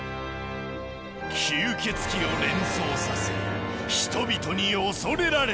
吸血鬼を連想させ人々に恐れられてきた。